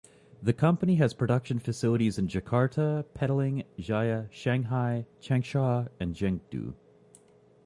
The company has production facilities in Jakarta, Petaling Jaya, Shanghai, Changsha and Chengdu.